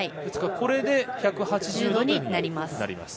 これで１８０度になります。